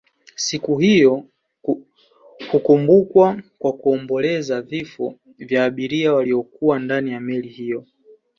Siku hiyo hukumbukwa kwa kuomboleza vifo vya abiria waliokuwa ndani ya meli hiyo